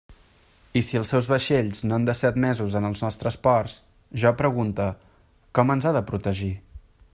I si els seus vaixells no han de ser admesos en els nostres ports, jo pregunte: ¿com ens ha de protegir?